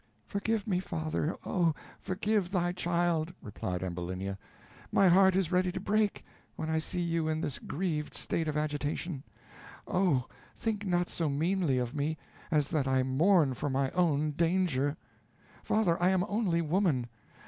"Forgive me, father, oh! forgive thy child," replied Ambulinia. "My heart is ready to break, when I see you in this grieved state of agitation. Oh! think not so meanly of me, as that I mourn for my own danger. Father, I am only woman.